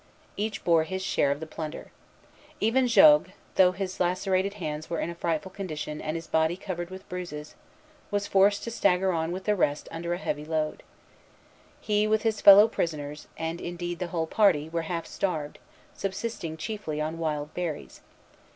Each bore his share of the plunder. Even Jogues, though his lacerated hands were in a frightful condition and his body covered with bruises, was forced to stagger on with the rest under a heavy load. He with his fellow prisoners, and indeed the whole party, were half starved, subsisting chiefly on wild berries.